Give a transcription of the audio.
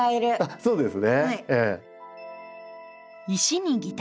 そうですね。